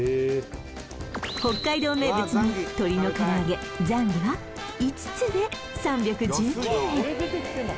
北海道名物の鶏のから揚げザンギは５つで３１９円